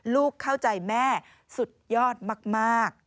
ลูกเข้าใจแม่สุดยอดมาก